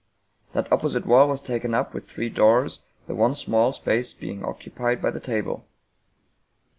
That opposite wall was taken up with three doors, the one small space being occupied by the table.